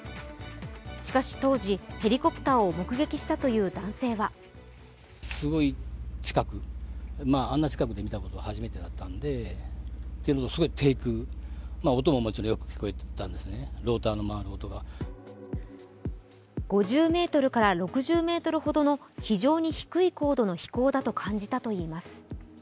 しかし当時、ヘリコプターを目撃したという男性は５０ｍから６０ｍほどの非常に低い高度の飛行だと感じたといいます。